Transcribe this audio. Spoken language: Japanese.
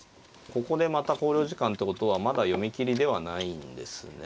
ここでまた考慮時間ってことはまだ読み切りではないんですね。